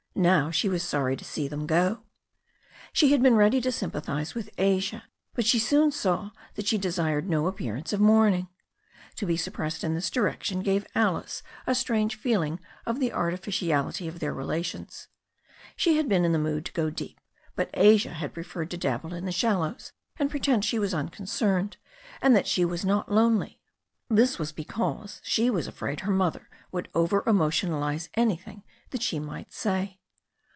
Now she was sorry to see them go. She had been ready to sympathize with Asia, but she soon saw that she desired no appearance of mourning. To be suppressed in this direction gave Alice a strange feeling of the artificiality of their relations. She had been in a mood to go deep, but Asia had preferred to dabble in the shallows, and pretend she was unconcerned, and that she was not lonely. This was because she was afraid her mother would over emotionalize anything that she might say.